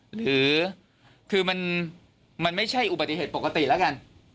หรือคือมันไม่ใช่อุบัติเหตุปกติแล้วกัน